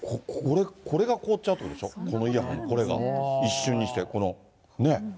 これが凍っちゃうってことでしょ、このイヤホン、これが一瞬にして、この、ね。